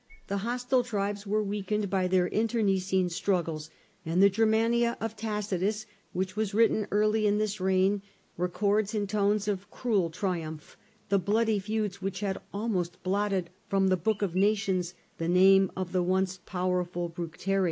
The hostile tribes were weakened by their internecine struggles, and the ' Germania ' of Tacitus, which was written early in this reign, records in tones of cruel triumph the bloody feuds which had almost blotted from the book of nations the name of the once powerful Bructeri.